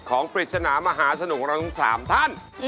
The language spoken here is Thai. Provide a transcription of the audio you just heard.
ของปริศนามหาสนุกเราต้องสามท่าน